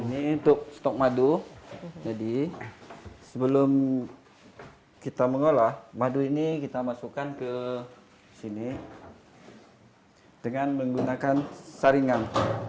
ini untuk stok madu jadi sebelum kita mengolah madu ini kita masukkan ke sini dengan menggunakan saringan